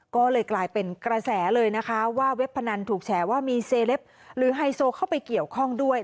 ก็เลยกลายเป็นกระแสเลยนะคะว่าเว็บพนันถูกแฉว่ามีเซเลปหรือไฮโซเข้าไปเกี่ยวข้องด้วย